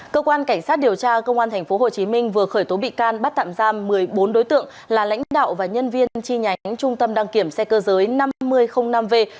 cơ quan cảnh sát điều tra công an tp hcm vừa khởi tố bị can bắt tạm giam một mươi bốn đối tượng là lãnh đạo và nhân viên chi nhánh trung tâm đăng kiểm xe cơ giới năm nghìn năm v